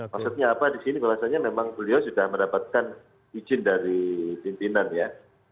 maksudnya apa disini bahasanya memang beliau sudah mendapatkan izin dari pimpinan ya